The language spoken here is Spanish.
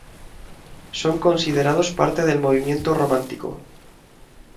Son considerados parte del movimiento romántico.